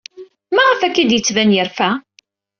Maɣef akka ay d-yettban yerfa?